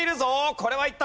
これはいった。